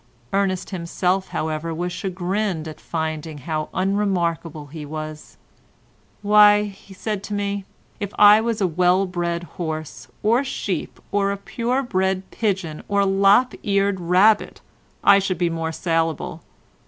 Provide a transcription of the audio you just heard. Ernest himself, however, was chagrined at finding how unmarketable he was. "Why," he said to me, "If I was a well bred horse, or sheep, or a pure bred pigeon or lop eared rabbit I should be more saleable.